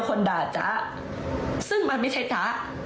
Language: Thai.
คนด่าจ๊ะซึ่งมันไม่ใช่จ๊ะ